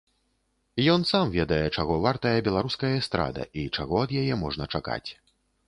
Ён сам ведае, чаго вартая беларуская эстрада і чаго ад яе можна чакаць.